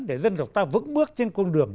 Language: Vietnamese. để dân độc ta vững bước trên con đường